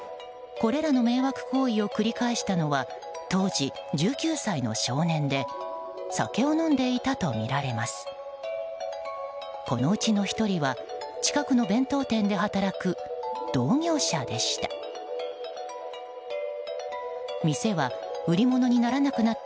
このうちの１人は近くの弁当店で働く同業者でした。